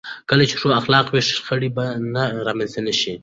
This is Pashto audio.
کله چې ښو اخلاق وي، شخړې به رامنځته نه شي.